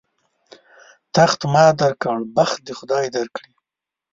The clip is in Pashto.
تخت ما در کړ، بخت دې خدای در کړي.